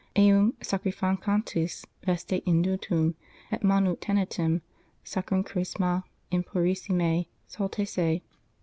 eum sacrificantis veste indutum, et manu tenentem sacrum Chrisma impurissime saltasse.